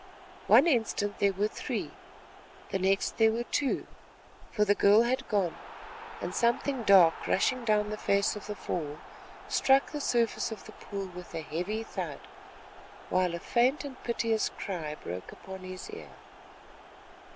One instant there were three, the next there were two—for the girl had gone, and something dark rushing down the face of the fall, struck the surface of the pool with a heavy thud, while a faint and piteous cry broke upon his ear.